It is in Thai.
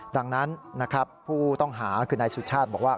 ดังนั้นนะครับผู้ต้องหาคือนายสุชาติบอกว่า